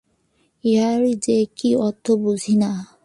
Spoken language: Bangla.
ইহার যে কি অর্থ, বুঝি না।